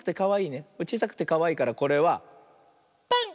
ちいさくてかわいいからこれは「パン」。